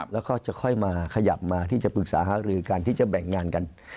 แล้วก็จะค่อยมาขยับมาที่จะปรึกษาหารือกันที่จะแบ่งงานกัน